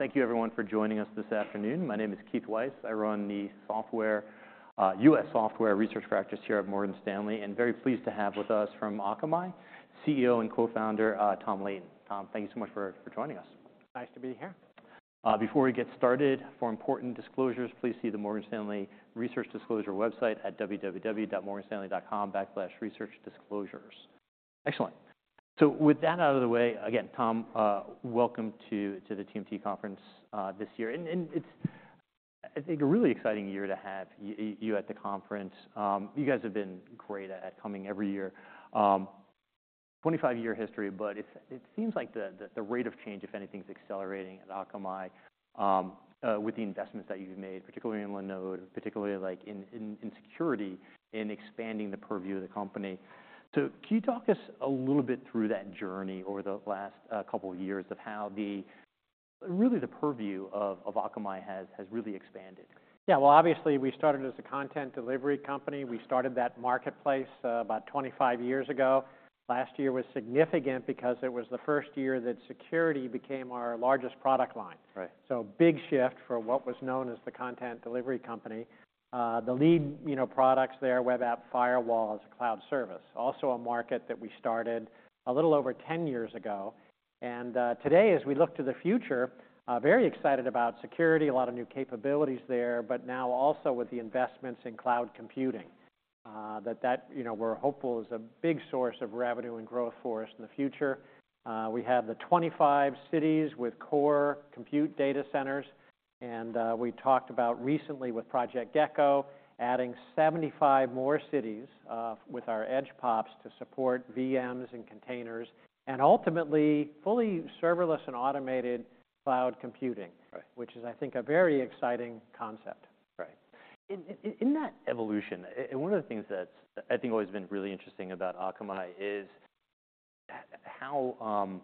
Thank you, everyone, for joining us this afternoon. My name is Keith Weiss. I run the software, U.S. software research practice here at Morgan Stanley. Very pleased to have with us from Akamai, CEO and Co-founder, Tom Leighton. Tom, thank you so much for joining us. Nice to be here. Before we get started, for important disclosures, please see the Morgan Stanley Research Disclosure website at www.morganstanley.com/researchdisclosures. Excellent. So with that out of the way, again, Tom, welcome to the TMT conference this year. And it's, I think, a really exciting year to have you at the conference. You guys have been great at coming every year. 25-year history, but it seems like the rate of change, if anything, is accelerating at Akamai, with the investments that you've made, particularly in Linode, particularly like in security, in expanding the purview of the company. So can you talk us a little bit through that journey over the last couple of years of how really the purview of Akamai has really expanded? Yeah. Well, obviously, we started as a content delivery company. We started that marketplace, about 25 years ago. Last year was significant because it was the first year that security became our largest product line. Right. So big shift for what was known as the content delivery company. The lead, you know, products there, Web App Firewall, is a cloud service. Also a market that we started a little over 10 years ago. And, today, as we look to the future, very excited about security, a lot of new capabilities there, but now also with the investments in cloud computing. That, that, you know, we're hopeful is a big source of revenue and growth for us in the future. We have the 25 cities with core compute data centers. And, we talked about recently with Project Gecko adding 75 more cities, with our edge POPs to support VMs and containers. And ultimately, fully serverless and automated cloud computing. Right. Which is, I think, a very exciting concept. Right. In that evolution, and one of the things that's, I think, always been really interesting about Akamai is how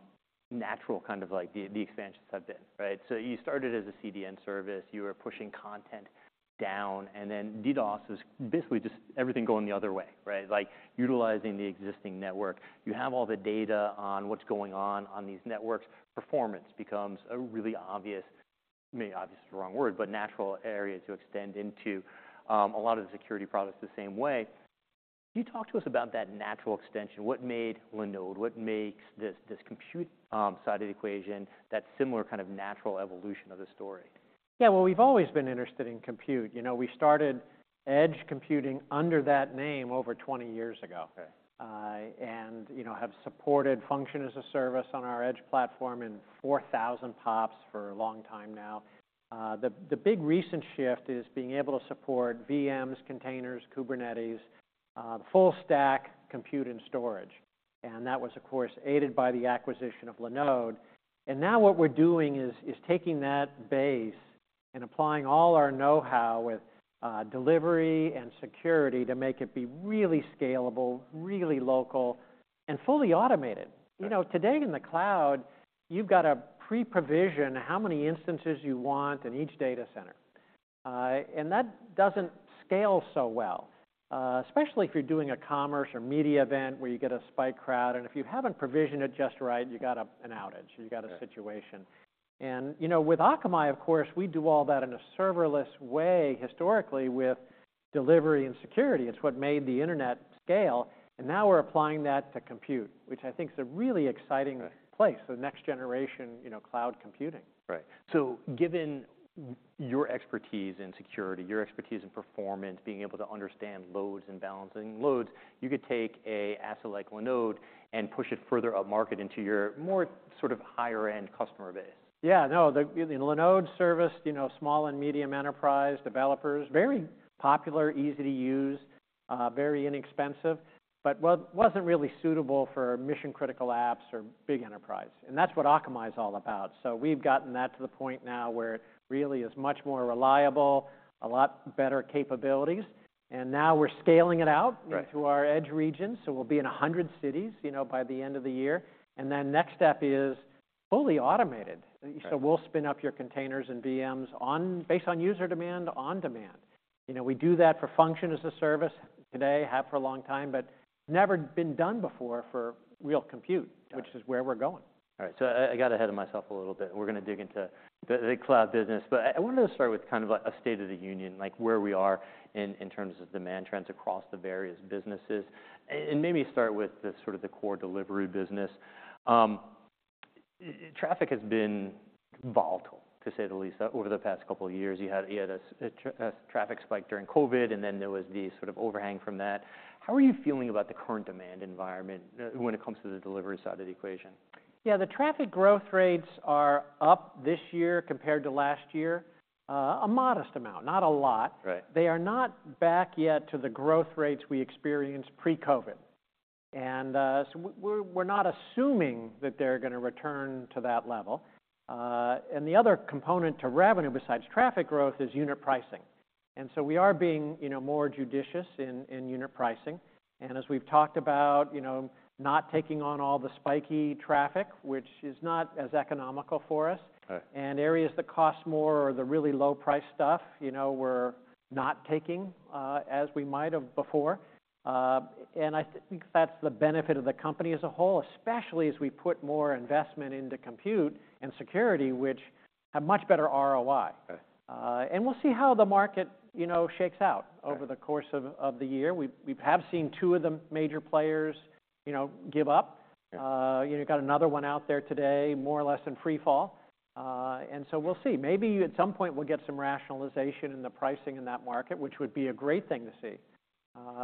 natural kind of, like, the expansions have been, right? So you started as a CDN service. You were pushing content down. And then DDoS is basically just everything going the other way, right? Like, utilizing the existing network. You have all the data on what's going on, on these networks. Performance becomes a really obvious, maybe obvious is the wrong word, but natural area to extend into, a lot of the security products the same way. Can you talk to us about that natural extension? What made Linode? What makes this compute side of the equation, that similar kind of natural evolution of the story? Yeah. Well, we've always been interested in compute. You know, we started edge computing under that name over 20 years ago. Right. And, you know, have supported function as a service on our edge platform in 4,000 POPs for a long time now. The big recent shift is being able to support VMs, containers, Kubernetes, full stack compute and storage. And that was, of course, aided by the acquisition of Linode. And now what we're doing is taking that base and applying all our know-how with delivery and security to make it be really scalable, really local, and fully automated. You know, today in the cloud, you've got to pre-provision how many instances you want in each data center. And that doesn't scale so well, especially if you're doing a commerce or media event where you get a spike crowd. And if you haven't provisioned it just right, you've got an outage. You've got a situation. You know, with Akamai, of course, we do all that in a serverless way, historically, with delivery and security. It's what made the internet scale. And now we're applying that to compute, which I think's a really exciting place, the next generation, you know, cloud computing. Right. So given your expertise in security, your expertise in performance, being able to understand loads and balancing loads, you could take an asset like Linode and push it further up market into your more sort of higher-end customer base. Yeah. No. You know, the Linode serviced, you know, small and medium enterprise developers. Very popular, easy to use, very inexpensive. But wasn't really suitable for mission-critical apps or big enterprise. And that's what Akamai's all about. So we've gotten that to the point now where it really is much more reliable, a lot better capabilities. And now we're scaling it out into our edge regions. So we'll be in 100 cities, you know, by the end of the year. And then next step is fully automated. So we'll spin up your containers and VMs based on user demand, on demand. You know, we do that for function as a service today, have for a long time, but never been done before for real compute, which is where we're going. All right. So I got ahead of myself a little bit. We're gonna dig into the cloud business. But I wanted to start with kind of, like, a state of the union, like where we are in terms of demand trends across the various businesses. And maybe start with sort of the core delivery business. Traffic has been volatile, to say the least, over the past couple of years. You had a traffic spike during COVID. And then there was the sort of overhang from that. How are you feeling about the current demand environment, when it comes to the delivery side of the equation? Yeah. The traffic growth rates are up this year compared to last year, a modest amount. Not a lot. Right. They are not back yet to the growth rates we experienced pre-COVID. So we're not assuming that they're gonna return to that level. And the other component to revenue besides traffic growth is unit pricing. And so we are being, you know, more judicious in unit pricing. And as we've talked about, you know, not taking on all the spiky traffic, which is not as economical for us. Right. Areas that cost more or the really low-priced stuff, you know, we're not taking, as we might have before. I think that's the benefit of the company as a whole, especially as we put more investment into compute and security, which have much better ROI. Right. We'll see how the market, you know, shakes out over the course of the year. We have seen two of the major players, you know, give up. You know, you've got another one out there today, more or less in free fall. And so we'll see. Maybe at some point we'll get some rationalization in the pricing in that market, which would be a great thing to see.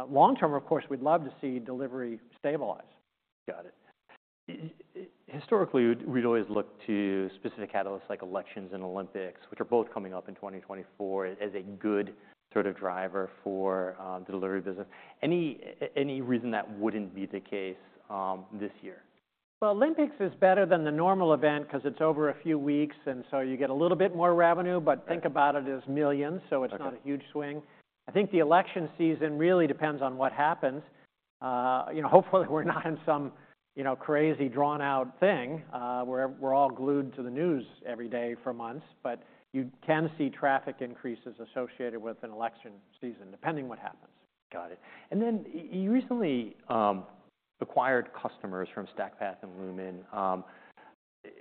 Long term, of course, we'd love to see delivery stabilize. Got it. Historically, we'd always looked to specific catalysts like elections and Olympics, which are both coming up in 2024, as a good sort of driver for the delivery business. Any reason that wouldn't be the case this year? Well, Olympics is better than the normal event 'cause it's over a few weeks. And so you get a little bit more revenue. But think about it as millions. So it's not a huge swing. I think the election season really depends on what happens, you know, hopefully, we're not in some, you know, crazy, drawn-out thing, where we're all glued to the news every day for months. But you can see traffic increases associated with an election season, depending what happens. Got it. And then you recently acquired customers from StackPath and Lumen,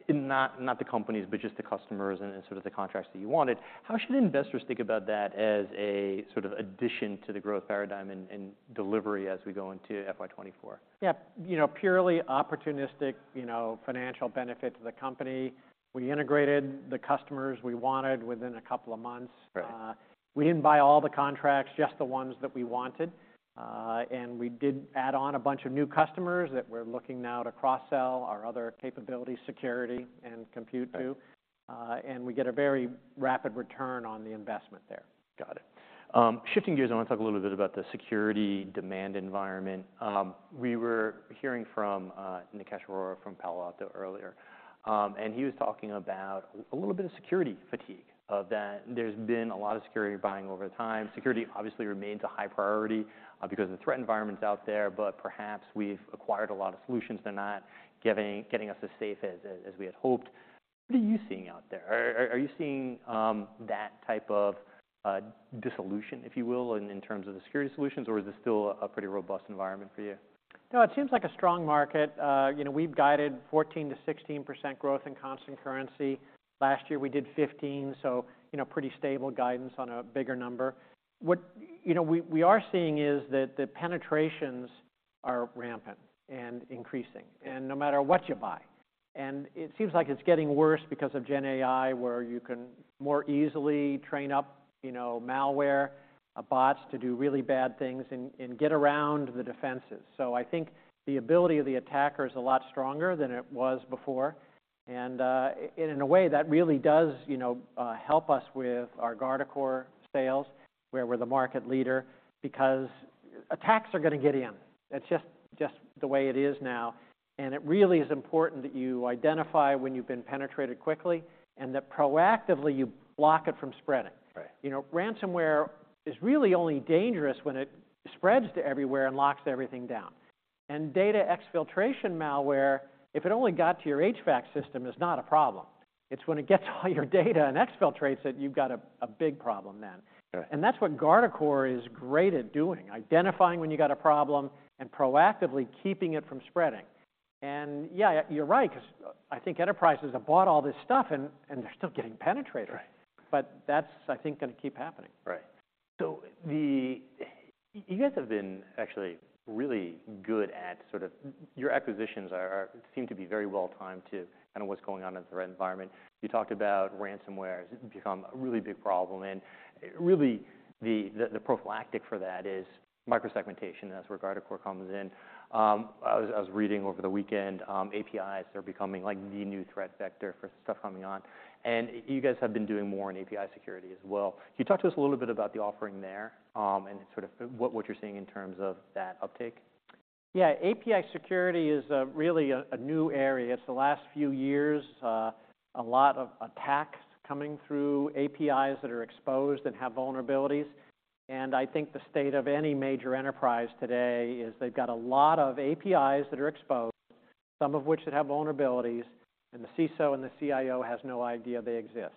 not the companies, but just the customers and sort of the contracts that you wanted. How should investors think about that as a sort of addition to the growth paradigm in delivery as we go into FY24? Yeah. You know, purely opportunistic, you know, financial benefit to the company. We integrated the customers we wanted within a couple of months. Right. We didn't buy all the contracts, just the ones that we wanted. And we did add on a bunch of new customers that we're looking now to cross-sell our other capabilities, security and compute, too. And we get a very rapid return on the investment there. Got it. Shifting gears, I wanna talk a little bit about the security demand environment. We were hearing from Nikesh Arora from Palo Alto earlier. And he was talking about a little bit of security fatigue, that there's been a lot of security buying over time. Security obviously remains a high priority, because of the threat environments out there. But perhaps we've acquired a lot of solutions. They're not giving, getting us as safe as we had hoped. What are you seeing out there? Are you seeing that type of dissolution, if you will, in terms of the security solutions? Or is this still a pretty robust environment for you? No. It seems like a strong market. You know, we've guided 14%-16% growth in constant currency. Last year, we did 15%. So, you know, pretty stable guidance on a bigger number. What, you know, we are seeing is that the penetrations are rampant and increasing, and no matter what you buy. And it seems like it's getting worse because of Gen AI, where you can more easily train up, you know, malware, bots to do really bad things and get around the defenses. So I think the ability of the attacker is a lot stronger than it was before. And in a way, that really does, you know, help us with our Guardicore sales, where we're the market leader, because attacks are gonna get in. It's just the way it is now. It really is important that you identify when you've been penetrated quickly and that proactively you block it from spreading. Right. You know, ransomware is really only dangerous when it spreads to everywhere and locks everything down. And data exfiltration malware, if it only got to your HVAC system, is not a problem. It's when it gets all your data and exfiltrates it, you've got a, a big problem then. Right. That's what Guardicore is great at doing, identifying when you got a problem and proactively keeping it from spreading. And yeah, you're right 'cause I think enterprises have bought all this stuff. And they're still getting penetrations. Right. But that's, I think, gonna keep happening. Right. So you guys have been actually really good at sort of your acquisitions seem to be very well-timed to kind of what's going on in the threat environment. You talked about ransomware has become a really big problem. And really, the prophylactic for that is microsegmentation. And that's where Guardicore comes in. I was reading over the weekend, APIs, they're becoming, like, the new threat vector for stuff coming on. And you guys have been doing more in API security as well. Can you talk to us a little bit about the offering there, and sort of what you're seeing in terms of that uptake? Yeah. API security is really a new area. It's the last few years, a lot of attacks coming through APIs that are exposed and have vulnerabilities. And I think the state of any major enterprise today is they've got a lot of APIs that are exposed, some of which that have vulnerabilities. And the CISO and the CIO has no idea they exist.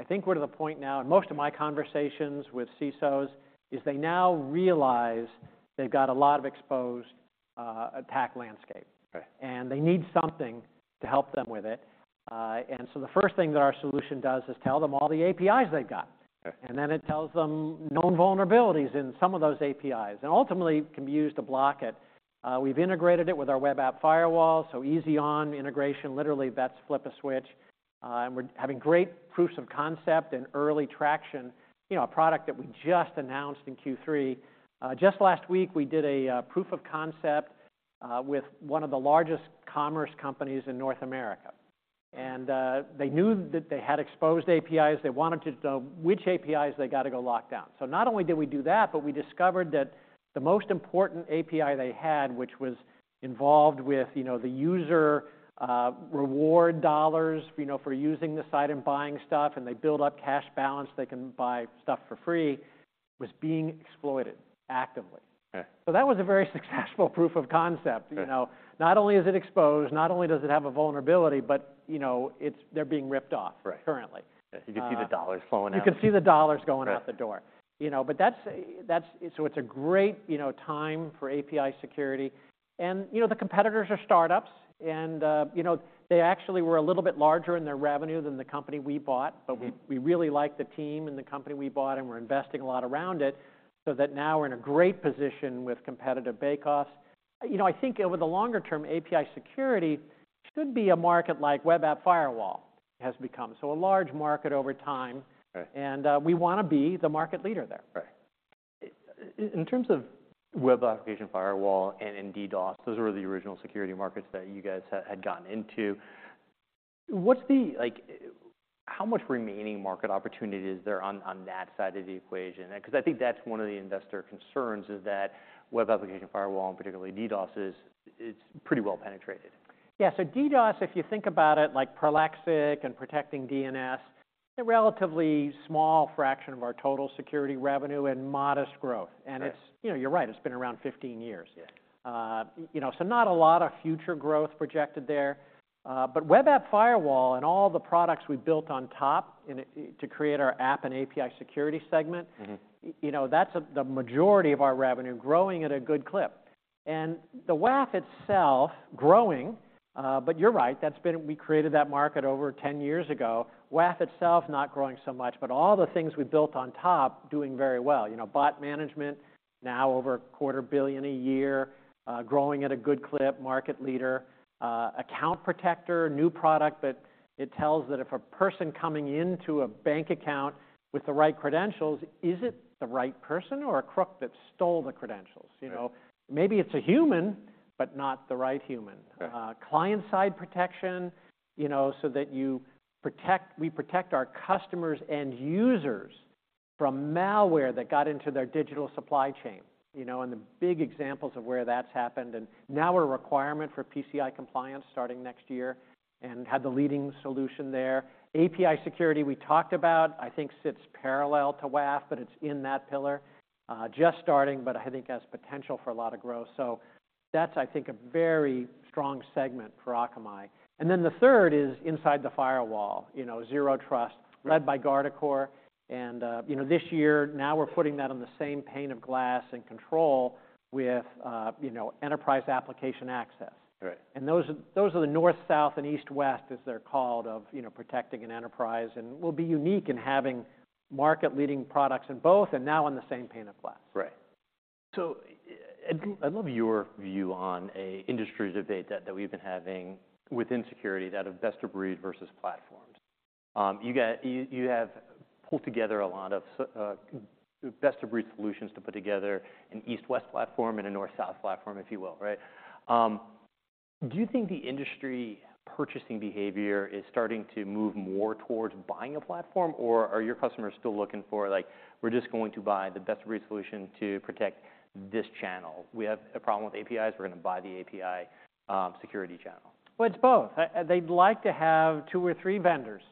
I think we're to the point now, and most of my conversations with CISOs is they now realize they've got a lot of exposed attack landscape. Right. They need something to help them with it. And so the first thing that our solution does is tell them all the APIs they've got. Right. Then it tells them known vulnerabilities in some of those APIs. Ultimately, it can be used to block it. We've integrated it with our web app firewall. So easy one integration, literally, that's flip a switch. We're having great proofs of concept and early traction. You know, a product that we just announced in Q3. Just last week, we did a proof of concept with one of the largest commerce companies in North America. They knew that they had exposed APIs. They wanted to know which APIs they got to go lock down. So not only did we do that, but we discovered that the most important API they had, which was involved with, you know, the user reward dollars, you know, for using the site and buying stuff, and they build up cash balance, they can buy stuff for free, was being exploited actively. Okay. So that was a very successful proof of concept. You know, not only is it exposed, not only does it have a vulnerability, but, you know, it's they're being ripped off. Right. Currently. Yeah. You can see the dollars flowing out. You can see the dollars going out the door. You know, but that's so it's a great, you know, time for API security. And, you know, the competitors are startups. And, you know, they actually were a little bit larger in their revenue than the company we bought. But we really like the team and the company we bought. And we're investing a lot around it so that now we're in a great position with competitive bake-offs. You know, I think over the longer term, API security should be a market like web app firewall. It has become so a large market over time. Right. We wanna be the market leader there. Right. In terms of web application firewall and DDoS, those were the original security markets that you guys had gotten into. What's the, like, how much remaining market opportunity is there on that side of the equation? 'Cause I think that's one of the investor concerns, is that web application firewall, and particularly DDoS, is it's pretty well-penetrated. Yeah. So DDoS, if you think about it, like Prolexic and protecting DNS, a relatively small fraction of our total security revenue and modest growth. And it's, you know, you're right. It's been around 15 years. Yeah. You know, so not a lot of future growth projected there. But web app firewall and all the products we built on top in it to create our app and API security segment. Mm-hmm. You know, that's the majority of our revenue growing at a good clip. And the WAF itself growing. But you're right. That's been we created that market over 10 years ago. WAF itself not growing so much. But all the things we built on top doing very well. You know, Bot Management now over $250 million a year, growing at a good clip, market leader. Account Protector, new product, but it tells that if a person coming into a bank account with the right credentials, is it the right person or a crook that stole the credentials? You know, maybe it's a human, but not the right human. Okay. Client-Side Protection, you know, so that you protect we protect our customers and users from malware that got into their digital supply chain. You know, and the big examples of where that's happened. And now we're a requirement for PCI Compliance starting next year and had the leading solution there. API Security we talked about, I think, sits parallel to WAF, but it's in that pillar. Just starting, but I think has potential for a lot of growth. So that's, I think, a very strong segment for Akamai. And then the third is inside the firewall, you know, Zero Trust, led by Guardicore. And, you know, this year, now we're putting that on the same pane of glass and control with, you know, Enterprise Application Access. Right. Those are the North-South and East-West, as they're called, of, you know, protecting an enterprise. We'll be unique in having market-leading products in both and now on the same pane of glass. Right. So I'd love your view on an industry debate that we've been having within security: that of best-of-breed versus platforms. You have pulled together a lot of best-of-breed solutions to put together an East-West platform and a North-South platform, if you will, right? Do you think the industry purchasing behavior is starting to move more towards buying a platform? Or are your customers still looking for, like, we're just going to buy the best-of-breed solution to protect this channel? We have a problem with APIs. We're gonna buy the API security channel. Well, it's both. They'd like to have two or three vendors,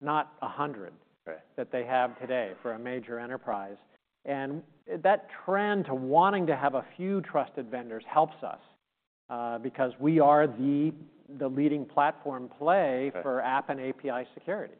not 100. Right. That they have today for a major enterprise. That trend to wanting to have a few trusted vendors helps us, because we are the leading platform play for App and API Security.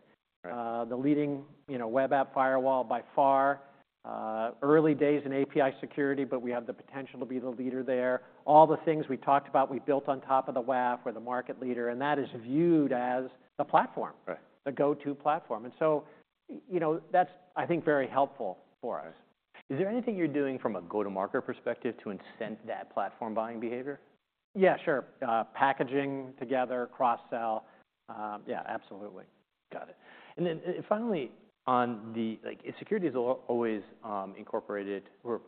Right. The leading, you know, web app firewall by far. Early days in API security, but we have the potential to be the leader there. All the things we talked about, we built on top of the WAF. We're the market leader. And that is viewed as the platform. Right. The go-to platform. And so, you know, that's, I think, very helpful for us. Right. Is there anything you're doing from a go-to-market perspective to incent that platform buying behavior? Yeah. Sure. Packaging together, cross-sell. Yeah. Absolutely. Got it. And then finally, on the, like, security is always incorporated or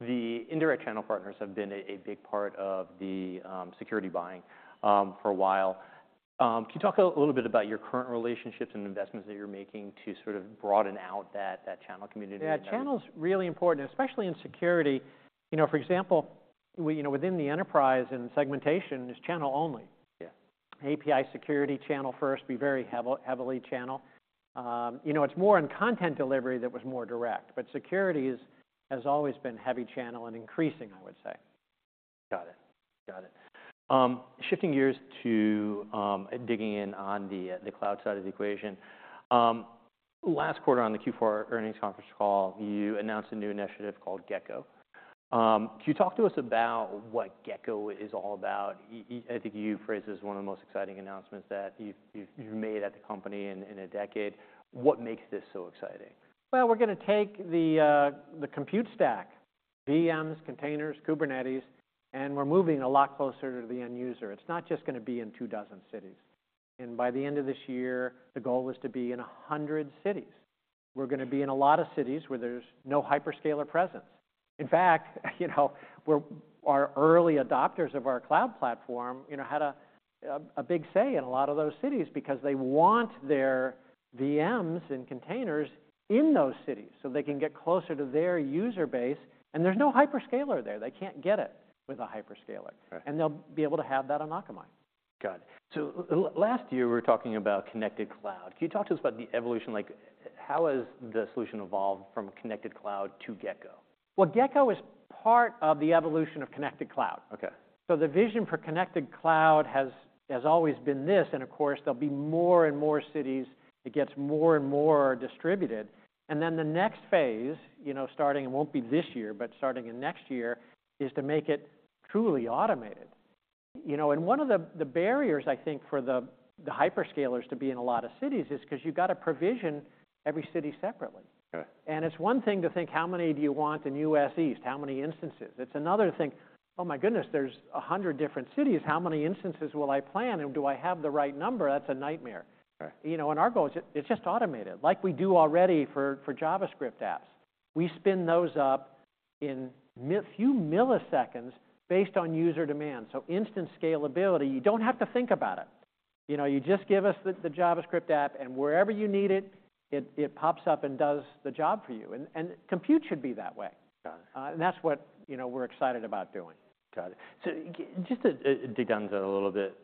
the indirect channel partners have been a big part of the security buying for a while. Can you talk a little bit about your current relationships and investments that you're making to sort of broaden out that channel community? Yeah. Channel's really important, especially in security. You know, for example, we, you know, within the enterprise and segmentation, it's channel only. Yeah. API Security, channel first, be very heavily, heavily channel. You know, it's more in content delivery that was more direct. But security has, has always been heavy channel and increasing, I would say. Got it. Got it. Shifting gears to digging in on the cloud side of the equation. Last quarter on the Q4 earnings conference call, you announced a new initiative called Gecko. Can you talk to us about what Gecko is all about? I think you phrased it as one of the most exciting announcements that you've made at the company in a decade. What makes this so exciting? Well, we're gonna take the compute stack, VMs, containers, Kubernetes. And we're moving a lot closer to the end user. It's not just gonna be in 24 cities. And by the end of this year, the goal is to be in 100 cities. We're gonna be in a lot of cities where there's no hyperscaler presence. In fact, you know, our early adopters of our cloud platform, you know, had a big say in a lot of those cities because they want their VMs and containers in those cities so they can get closer to their user base. And there's no hyperscaler there. They can't get it with a hyperscaler. Right. They'll be able to have that on Akamai. Got it. So last year, we were talking about Connected Cloud. Can you talk to us about the evolution? Like, how has the solution evolved from Connected Cloud to Gecko? Well, Gecko is part of the evolution of Connected Cloud. Okay. So the vision for Connected Cloud has always been this. And of course, there'll be more and more cities. It gets more and more distributed. And then the next phase, you know, starting it won't be this year, but starting in next year, is to make it truly automated. You know, and one of the barriers, I think, for the hyperscalers to be in a lot of cities is 'cause you've got to provision every city separately. Okay. And it's one thing to think, how many do you want in U.S. East? How many instances? It's another thing, oh my goodness, there's 100 different cities. How many instances will I plan? And do I have the right number? That's a nightmare. Right. You know, and our goal is it's just automated, like we do already for JavaScript apps. We spin those up in a few milliseconds based on user demand. So instant scalability, you don't have to think about it. You know, you just give us the JavaScript app. And wherever you need it, it pops up and does the job for you. And compute should be that way. Got it. and that's what, you know, we're excited about doing. Got it. So just to dig down to that a little bit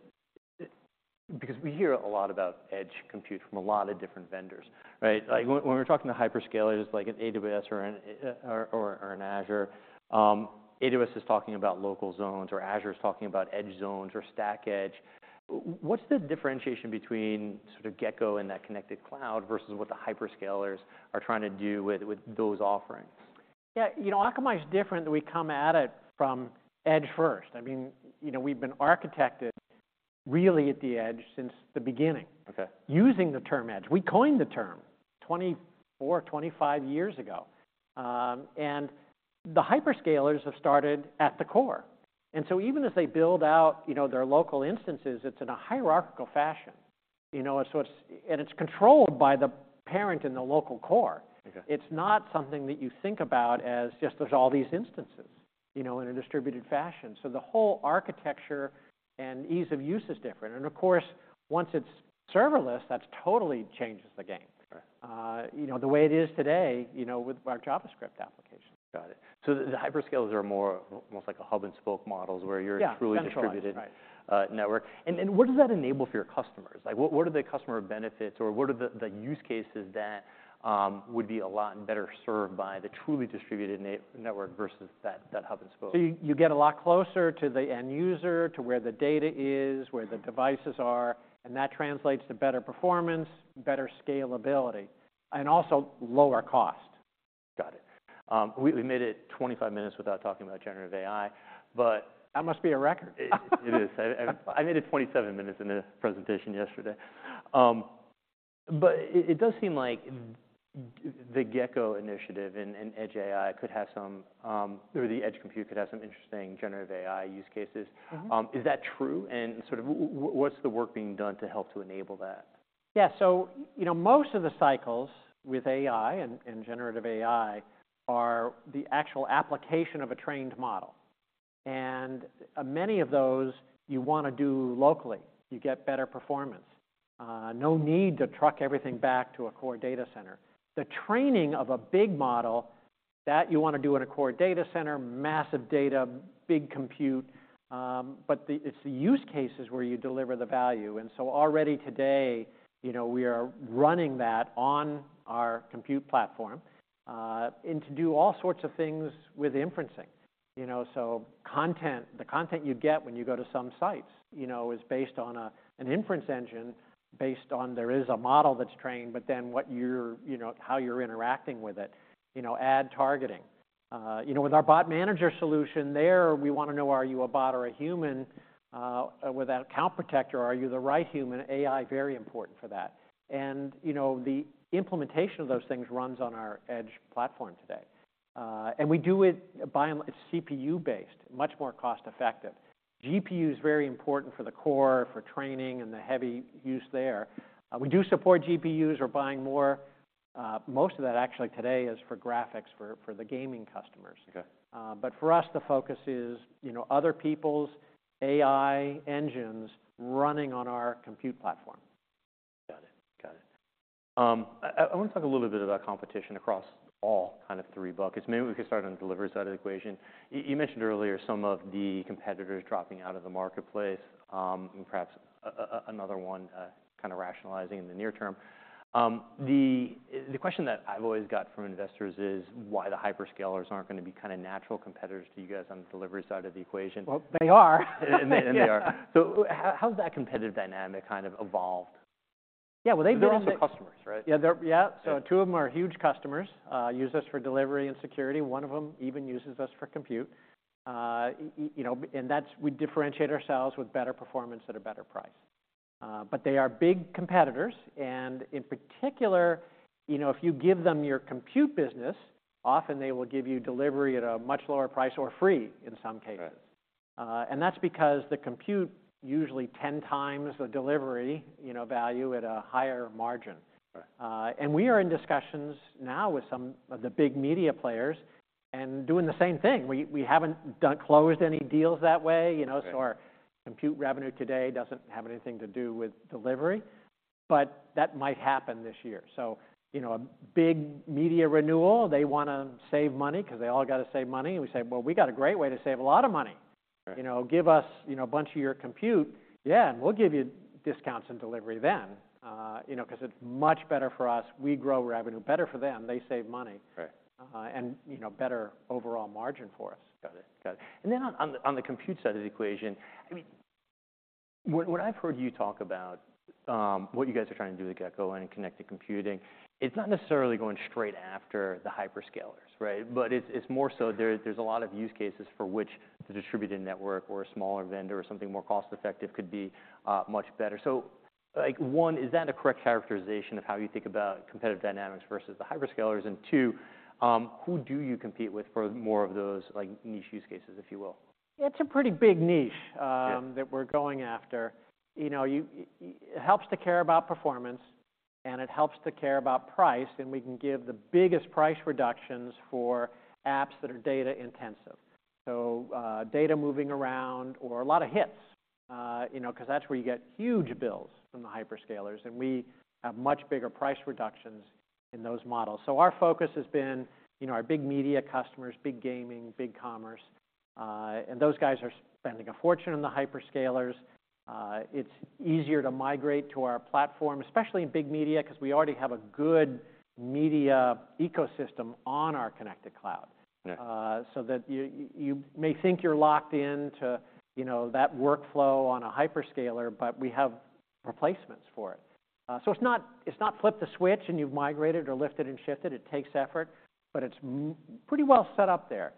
because we hear a lot about edge compute from a lot of different vendors, right? Like, when we're talking to hyperscalers, like an AWS or an Azure, AWS is talking about local zones, or Azure is talking about edge zones or stack edge. What's the differentiation between sort of Gecko and that Connected Cloud versus what the hyperscalers are trying to do with those offerings? Yeah. You know, Akamai's different. We come at it from edge first. I mean, you know, we've been architected really at the edge since the beginning. Okay. Using the term edge. We coined the term 24, 25 years ago, and the hyperscalers have started at the core. So even as they build out, you know, their local instances, it's in a hierarchical fashion. You know, it's so, and it's controlled by the parent in the local core. Okay. It's not something that you think about as just there's all these instances, you know, in a distributed fashion. The whole architecture and ease of use is different. Of course, once it's serverless, that totally changes the game. Right. You know, the way it is today, you know, with our JavaScript applications. Got it. So the hyperscalers are more almost like a hub-and-spoke model where you're truly distributed. Yeah. That's right. network. And what does that enable for your customers? Like, what are the customer benefits or what are the use cases that would be a lot better served by the truly distributed network versus that hub-and-spoke? You get a lot closer to the end user, to where the data is, where the devices are. That translates to better performance, better scalability, and also lower cost. Got it. We made it 25 minutes without talking about Generative AI. But. That must be a record. It is. I made it 27 minutes in the presentation yesterday. But it does seem like the Gecko initiative and edge AI could have some, or the edge compute could have some interesting generative AI use cases. Mm-hmm. Is that true? And, sort of what's the work being done to help to enable that? Yeah. So, you know, most of the cycles with AI and, and Generative AI are the actual application of a trained model. And, many of those you wanna do locally. You get better performance. No need to truck everything back to a core data center. The training of a big model, that you wanna do in a core data center, massive data, big compute. But it's the use cases where you deliver the value. And so already today, you know, we are running that on our compute platform, and to do all sorts of things with inferencing. You know, so content the content you get when you go to some sites, you know, is based on a an inference engine based on there is a model that's trained, but then what you're, you know, how you're interacting with it, you know, ad targeting. You know, with our bot manager solution, there we wanna know, are you a bot or a human? With our Account Protector, are you the right human? AI, very important for that. And, you know, the implementation of those things runs on our edge platform today. And we do it by and large it's CPU-based, much more cost-effective. GPUs very important for the core, for training and the heavy use there. We do support GPUs. We're buying more. Most of that actually today is for graphics, for the gaming customers. Okay. But for us, the focus is, you know, other people's AI engines running on our compute platform. Got it. Got it. I wanna talk a little bit about competition across all kind of three buckets. Maybe we could start on the delivery side of the equation. You mentioned earlier some of the competitors dropping out of the marketplace. And perhaps another one kinda rationalizing in the near term. The question that I've always got from investors is why the hyperscalers aren't gonna be kinda natural competitors to you guys on the delivery side of the equation. Well, they are. And they are. So how's that competitive dynamic kind of evolved? Yeah. Well, they've been. They're also customers, right? Yeah. They're. Yeah. So two of them are huge customers, use us for delivery and security. One of them even uses us for compute. You know, and that's we differentiate ourselves with better performance at a better price. But they are big competitors. And in particular, you know, if you give them your compute business, often they will give you delivery at a much lower price or free in some cases. Right. That's because the compute usually 10 times the delivery, you know, value at a higher margin. Right. We are in discussions now with some of the big media players and doing the same thing. We haven't closed any deals that way, you know. Right. Our compute revenue today doesn't have anything to do with delivery. But that might happen this year. You know, a big media renewal, they wanna save money 'cause they all gotta save money. We say, well, we got a great way to save a lot of money. Right. You know, give us, you know, a bunch of your compute. Yeah. And we'll give you discounts in delivery then, you know, 'cause it's much better for us. We grow revenue better for them. They save money. Right. you know, better overall margin for us. Got it. Got it. And then on the compute side of the equation, I mean, what I've heard you talk about, what you guys are trying to do with Gecko and connected computing, it's not necessarily going straight after the hyperscalers, right? But it's more so. There's a lot of use cases for which the distributed network or a smaller vendor or something more cost-effective could be much better. So, like, one, is that a correct characterization of how you think about competitive dynamics versus the hyperscalers? And two, who do you compete with for more of those, like, niche use cases, if you will? It's a pretty big niche. Yeah. That we're going after. You know, it helps to care about performance. And it helps to care about price. And we can give the biggest price reductions for apps that are data-intensive. So, data moving around or a lot of hits, you know, 'cause that's where you get huge bills from the hyperscalers. And we have much bigger price reductions in those models. So our focus has been, you know, our big media customers, big gaming, big commerce. And those guys are spending a fortune on the hyperscalers. It's easier to migrate to our platform, especially in big media 'cause we already have a good media ecosystem on our Connected Cloud. Yeah. That you may think you're locked into, you know, that workflow on a hyperscaler, but we have replacements for it. So it's not flip the switch and you've migrated or lifted and shifted. It takes effort. But it's pretty well set up there.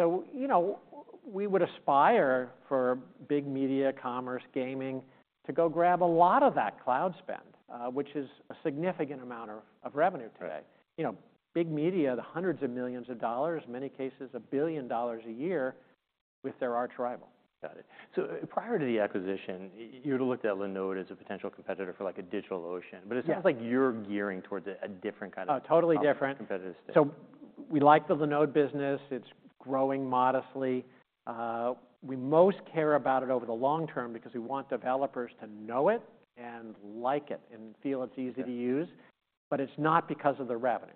So, you know, we would aspire for big media, commerce, gaming to go grab a lot of that cloud spend, which is a significant amount of revenue today. Right. You know, big media, the $hundreds of millions, many cases $1 billion a year with their arch-rival. Got it. So prior to the acquisition, you were to look at Linode as a potential competitor for, like, a DigitalOcean. But it sounds like you're gearing towards a different kind of. Oh, totally different. Competitive state. So we like the Linode business. It's growing modestly. We most care about it over the long term because we want developers to know it and like it and feel it's easy to use. But it's not because of the revenue,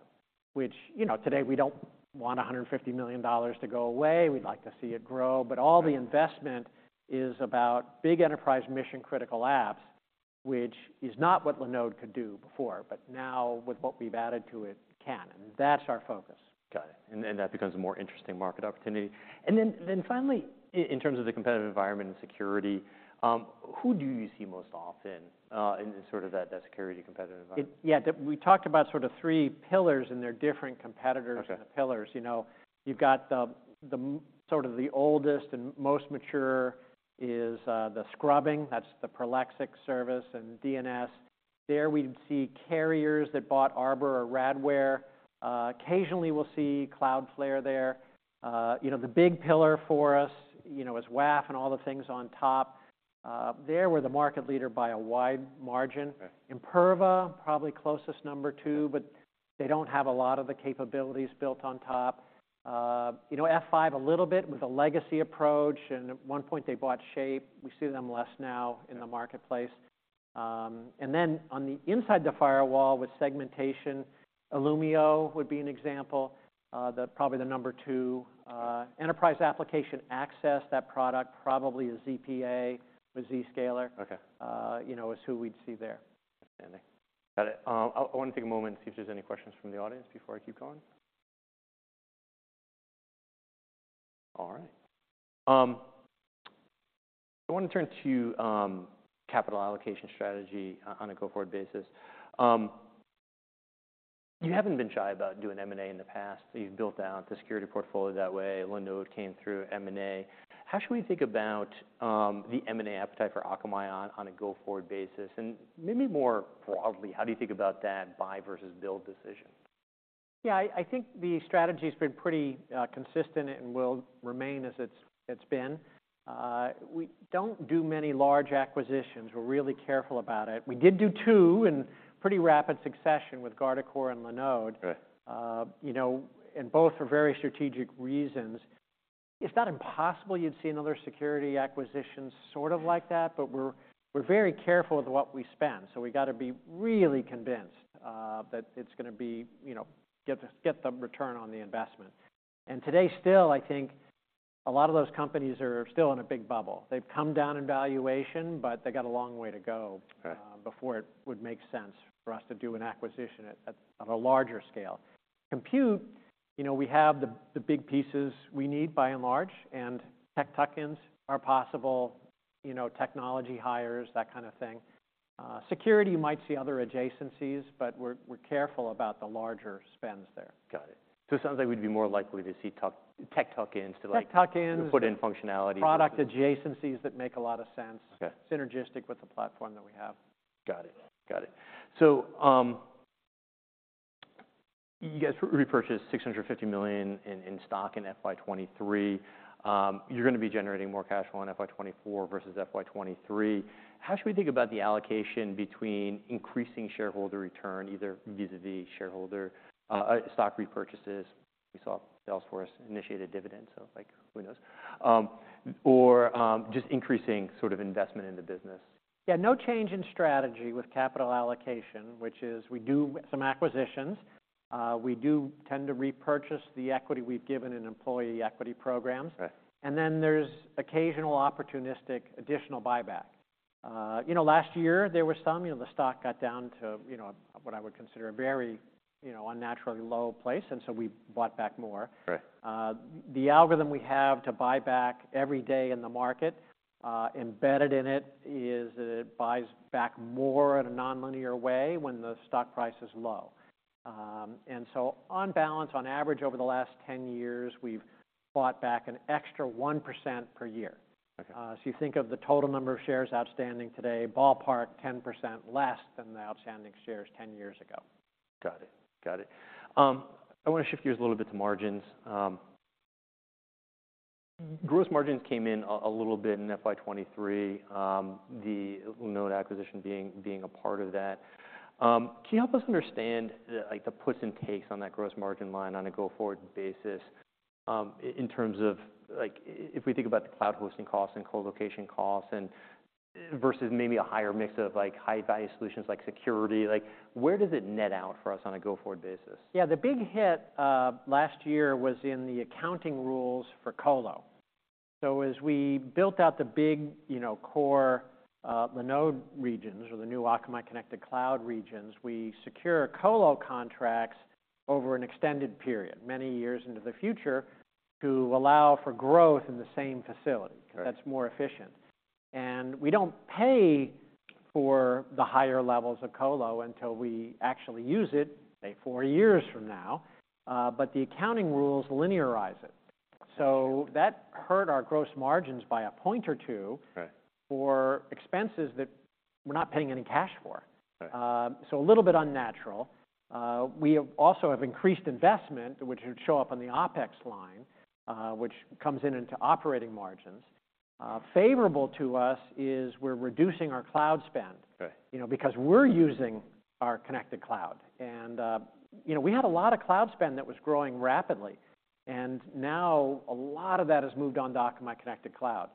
which, you know, today we don't want $150 million to go away. We'd like to see it grow. But all the investment is about big enterprise mission-critical apps, which is not what Linode could do before. But now with what we've added to it, it can. And that's our focus. Got it. And that becomes a more interesting market opportunity. And then finally, in terms of the competitive environment and security, who do you see most often in sort of that security competitive environment? We talked about sort of three pillars and they're different competitors in the pillars. Okay. You know, you've got the oldest and most mature is the scrubbing. That's the Prolexic service and DNS. There we'd see carriers that bought Arbor or Radware. Occasionally we'll see Cloudflare there. You know, the big pillar for us, you know, is WAF and all the things on top. There we're the market leader by a wide margin. Okay. Imperva, probably closest number two. But they don't have a lot of the capabilities built on top. You know, F5 a little bit with a legacy approach. And at one point they bought Shape. We see them less now in the marketplace. And then on the inside the firewall with segmentation, Illumio would be an example. The probably the number two, enterprise application access, that product probably a ZPA with Zscaler. Okay. you know, is who we'd see there. Understanding. Got it. I wanna take a moment and see if there's any questions from the audience before I keep going. All right. I wanna turn to capital allocation strategy on a go-forward basis. You haven't been shy about doing M&A in the past. You've built out the security portfolio that way. Linode came through M&A. How should we think about the M&A appetite for Akamai on a go-forward basis? And maybe more broadly, how do you think about that buy versus build decision? Yeah. I think the strategy's been pretty consistent and will remain as it's been. We don't do many large acquisitions. We're really careful about it. We did do two in pretty rapid succession with Guardicore and Linode. Right. You know, and both for very strategic reasons. It's not impossible you'd see another security acquisition sort of like that. But we're very careful with what we spend. So we gotta be really convinced that it's gonna be, you know, get the return on the investment. And today still, I think a lot of those companies are still in a big bubble. They've come down in valuation, but they got a long way to go. Right. Before it would make sense for us to do an acquisition at a larger scale. Compute, you know, we have the big pieces we need by and large. And tech tuck-ins are possible, you know, technology hires, that kinda thing. Security you might see other adjacencies. But we're careful about the larger spends there. Got it. So it sounds like we'd be more likely to see talk tech tuck-ins to, like. Tech tuck-ins. To put in functionality. Product adjacencies that make a lot of sense. Okay. Synergistic with the platform that we have. Got it. Got it. So, you guys repurchased $650 million in stock in FY23. You're gonna be generating more cash flow in FY24 versus FY23. How should we think about the allocation between increasing shareholder return, either vis-à-vis shareholder stock repurchases? We saw Salesforce initiated dividends. So, like, who knows? Or just increasing sort of investment in the business? Yeah. No change in strategy with capital allocation, which is, we do some acquisitions. We do tend to repurchase the equity we've given in employee equity programs. Right. And then there's occasional opportunistic additional buyback. You know, last year there were some, you know, the stock got down to, you know, a what I would consider a very, you know, unnaturally low place. And so we bought back more. Right. The algorithm we have to buy back every day in the market, embedded in it is that it buys back more in a nonlinear way when the stock price is low. And so on balance, on average over the last 10 years, we've bought back an extra 1% per year. Okay. So you think of the total number of shares outstanding today, ballpark 10% less than the outstanding shares 10 years ago. Got it. Got it. I wanna shift gears a little bit to margins. Gross margins came in a little bit in FY23, the Linode acquisition being a part of that. Can you help us understand the, like, the puts and takes on that gross margin line on a go-forward basis, in terms of, like, if we think about the cloud hosting costs and colocation costs and versus maybe a higher mix of, like, high-value solutions like security, like, where does it net out for us on a go-forward basis? Yeah. The big hit last year was in the accounting rules for colo. So as we built out the big, you know, core, Linode regions or the new Akamai Connected Cloud regions, we secure colo contracts over an extended period, many years into the future, to allow for growth in the same facility. Right. 'Cause that's more efficient. And we don't pay for the higher levels of colo until we actually use it, say, four years from now. But the accounting rules linearize it. So that hurt our gross margins by a point or two. Right. For expenses that we're not paying any cash for. Right. A little bit unnatural. We also have increased investment, which would show up on the OpEx line, which comes into operating margins. Favorable to us is we're reducing our cloud spend. Right. You know, because we're using our Connected Cloud. And, you know, we had a lot of cloud spend that was growing rapidly. And now a lot of that has moved onto Akamai Connected Cloud.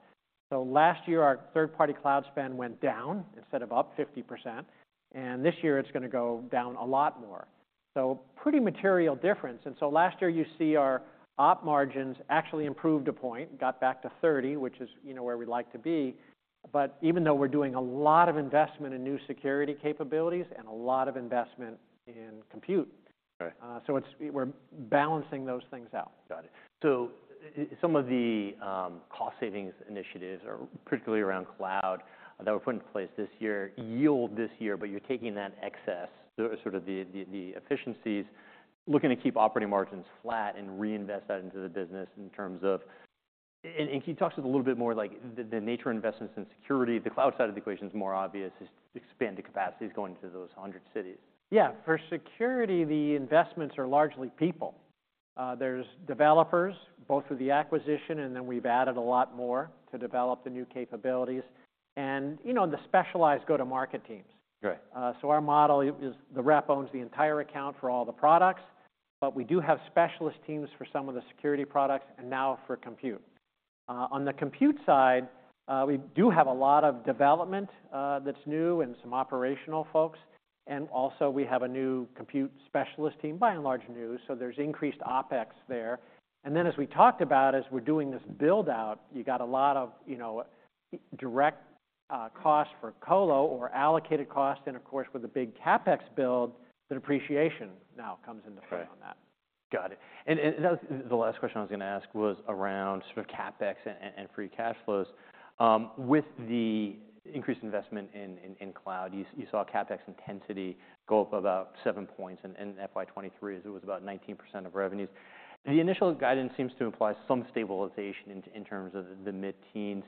So last year our third-party cloud spend went down instead of up 50%. And this year it's gonna go down a lot more. So pretty material difference. And so last year you see our operating margins actually improved a point, got back to 30, which is, you know, where we'd like to be. But even though we're doing a lot of investment in new security capabilities and a lot of investment in compute. Right. So, it's we're balancing those things out. Got it. So some of the cost savings initiatives are particularly around cloud that were put into place this year, yield this year. But you're taking that excess, sort of the efficiencies, looking to keep operating margins flat and reinvest that into the business in terms of, and can you talk to us a little bit more, like, the nature of investments in security? The cloud side of the equation's more obvious. It's expanded capacities going into those 100 cities. Yeah. For security, the investments are largely people. There's developers, both through the acquisition. And then we've added a lot more to develop the new capabilities. And, you know, the specialized go-to-market teams. Right. So our model is the rep owns the entire account for all the products. But we do have specialist teams for some of the security products and now for compute. On the compute side, we do have a lot of development, that's new and some operational folks. And also we have a new compute specialist team, by and large new. So there's increased OpEx there. And then as we talked about, as we're doing this build-out, you got a lot of, you know, indirect cost for colo or allocated cost. And of course, with the big CapEx build, the depreciation now comes into play on that. Right. Got it. And that was the last question I was gonna ask was around sort of CapEx and free cash flows. With the increased investment in cloud, you saw CapEx intensity go up about seven points in FY23 as it was about 19% of revenues. The initial guidance seems to imply some stabilization in terms of the mid-teens.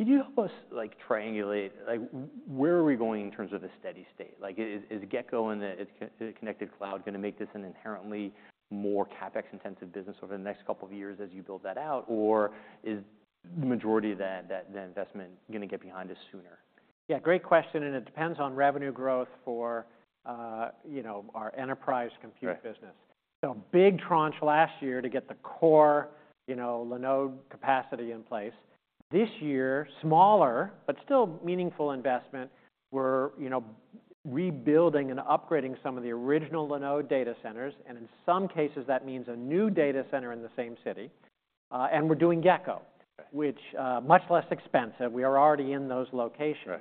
Can you help us, like, triangulate, like, where are we going in terms of a steady state? Like, is Gecko in the, it's Connected Cloud gonna make this an inherently more CapEx-intensive business over the next couple of years as you build that out? Or is the majority of that investment gonna get behind us sooner? Yeah. Great question. It depends on revenue growth for, you know, our enterprise compute business. Right. Big tranche last year to get the core, you know, Linode capacity in place. This year, smaller but still meaningful investment. We're, you know, rebuilding and upgrading some of the original Linode data centers. In some cases that means a new data center in the same city, and we're doing Gecko. Right. Which, much less expensive. We are already in those locations.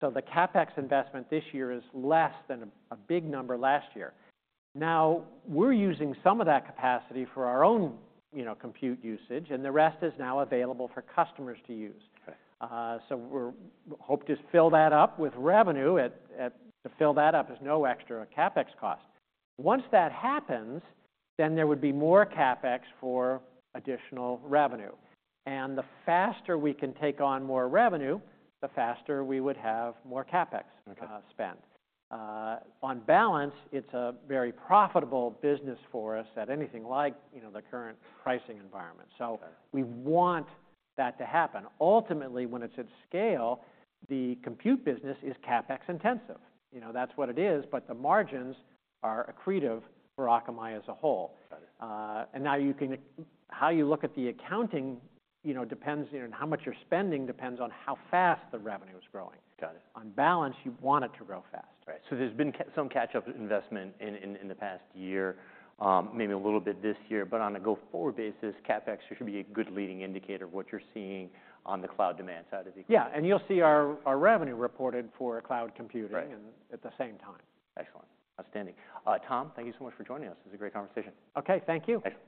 Right. The CapEx investment this year is less than a big number last year. Now we're using some of that capacity for our own, you know, compute usage. The rest is now available for customers to use. Okay. We're hoping to fill that up with revenue, and to fill that up is no extra CapEx cost. Once that happens, then there would be more CapEx for additional revenue. The faster we can take on more revenue, the faster we would have more CapEx. Okay. Spend. On balance, it's a very profitable business for us at anything like, you know, the current pricing environment. So we want that to happen. Ultimately, when it's at scale, the compute business is CapEx-intensive. You know, that's what it is. But the margins are accretive for Akamai as a whole. Got it. And now you know how you look at the accounting, you know, depends, you know, on how much you're spending depends on how fast the revenue is growing. Got it. On balance, you want it to grow fast. Right. So there's been some catch-up investment in the past year, maybe a little bit this year. But on a go-forward basis, CapEx should be a good leading indicator of what you're seeing on the cloud demand side of the equation. Yeah. And you'll see our revenue reported for cloud computing. Right. At the same time. Excellent. Outstanding. Tom, thank you so much for joining us. This was a great conversation. Okay. Thank you. Excellent.